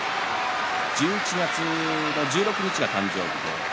１１月の１６日が誕生日です。